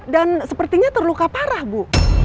sepertinya terluka parah bu